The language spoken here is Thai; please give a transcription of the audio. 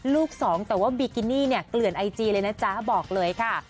ลูกสองแต่ว่าบิกินี่เนี่ยเกลื่อนไอจีเลยนะจ๊ะบอกเลยค่ะ